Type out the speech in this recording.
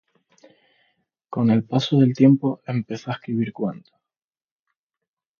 Con el paso del tiempo, empezó a escribir cuentos.